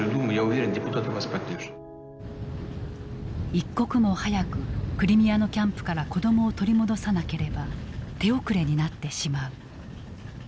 一刻も早くクリミアのキャンプから子どもを取り戻さなければ手遅れになってしまう。